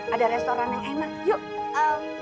ada restoran yang enak yuk